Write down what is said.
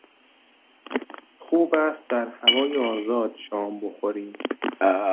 خوب است در هوای آزاد شام بخوریم.